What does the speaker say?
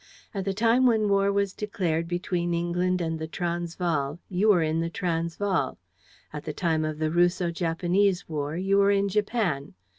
At the time when war was declared between England and the Transvaal, you were in the Transvaal. At the time of the Russo Japanese war, you were in Japan.